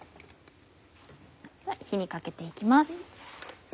では火にかけて行きます。